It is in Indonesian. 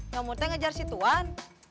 yamutnya ngejar si tuan